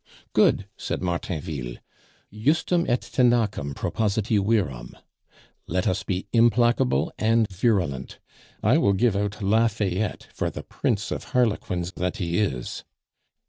"Good!" said Martainville. "Justum et tenacem propositi virum! Let us be implacable and virulent. I will give out La Fayette for the prince of harlequins that he is!"